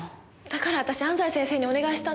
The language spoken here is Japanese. だから私安西先生にお願いしたんです。